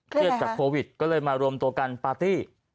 เครียดจากโควิดก็เลยมารวมตัวกันปาร์ตี้